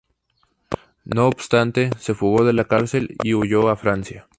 No obstante, se fugó de la cárcel y huyó a Francia.